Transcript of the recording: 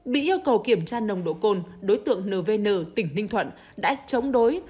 bị yêu cầu kiểm tra nồng độ cồn đối tượng nvn tỉnh ninh thuận đã chống đối